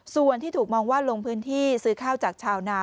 ส่วนที่ถูกมองว่าลงพื้นที่ซื้อข้าวจากชาวนา